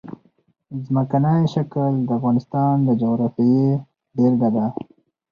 ځمکنی شکل د افغانستان د جغرافیې بېلګه ده.